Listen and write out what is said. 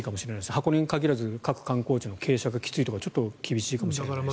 箱根に限らず各観光地の傾斜が厳しいとかちょっと厳しいかもしれませんね。